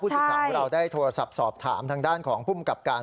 สิทธิ์ของเราได้โทรศัพท์สอบถามทางด้านของภูมิกับการ